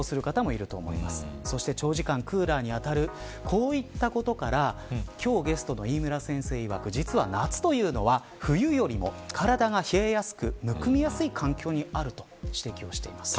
こういったことから今日ゲストの飯村先生いわく実は、夏というのは冬よりも体が冷えやすくむくみやすい環境にあると指摘をしています。